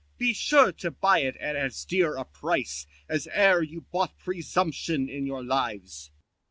Be sure to buy it at as dear a price, 45 As e'er you bought presumption in your lives.